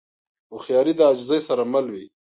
هوښیاري د عاجزۍ سره مل وي.